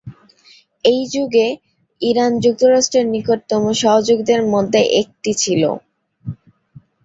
এই যুগে, ইরান যুক্তরাষ্ট্রের নিকটতম সহযোগীদের মধ্যে একটি ছিল।